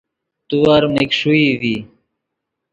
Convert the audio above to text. تیور میگ ݰوئی ڤی